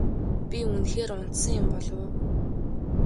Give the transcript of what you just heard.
Би үнэхээр унтсан юм болов уу?